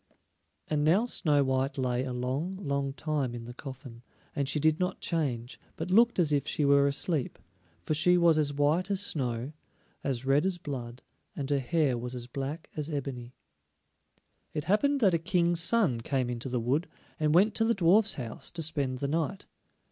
And now Snow white lay a long, long time in the coffin, and she did not change, but looked as if she were asleep; for she was as white as snow, as red as blood, and her hair was as black as ebony. It happened that a King's son came into the wood, and went to the dwarfs' house to spend the night.